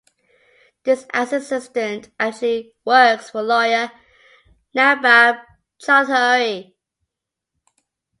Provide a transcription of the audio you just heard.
This assistant actually works for lawyer Nabab Chowdhury.